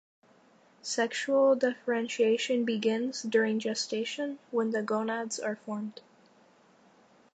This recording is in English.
Sexual differentiation begins during gestation, when the gonads are formed.